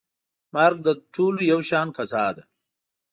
مرګ د ټولو یو شان قضا ده.